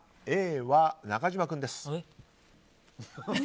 Ａは中島君です。